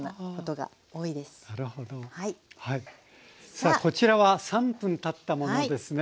さあこちらは３分たったものですね。